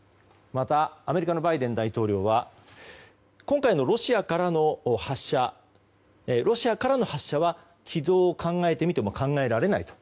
またアメリカのバイデン大統領は今回のロシアからの発射は軌道を考えてみても考えられない。